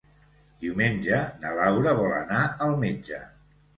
Diumenge na Laura vol anar al metge.